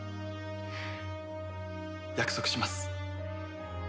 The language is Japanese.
約束します。